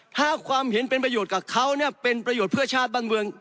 ถ้าความเห็นเป็นประโยชน์กับเขาเนี่ยเป็นประโยชน์เพื่อชาติบ้านเมือง